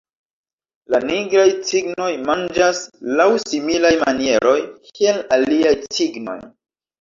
La Nigraj cignoj manĝas laŭ similaj manieroj kiel aliaj cignoj.